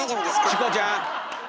チコちゃん！